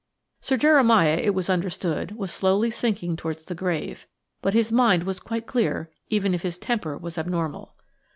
Sir Jeremiah, it was understood, was slowly sinking towards the grave; but his mind was quite clear, even if his temper was abnormal.